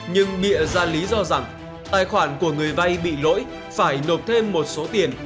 nhưng bịa ra lý do rằng tài khoản của người vay bị lỗi phải nộp thêm một số tiền